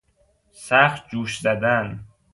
سخت جوش زدن